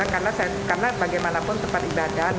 saya bilang karena bagaimanapun tempat ibadah